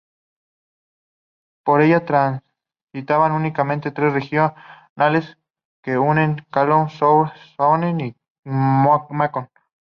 Por ella transitan únicamente trenes regionales que unen Chalon-sur-Saône con Mâcon.